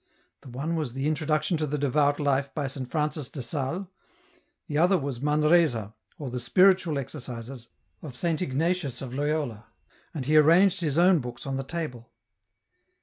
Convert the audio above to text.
The one was " The Intro duction to the Devout Life," by Saint Francis de Sales, the other was " Manresa," or " The Spiritual Exercises " of Saint Ignatius of Loyola, and he arranged his own books on the table.